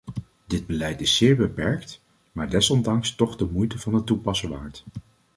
Dit beleid is zeer beperkt, maar desondanks toch de moeite van het toepassen waard.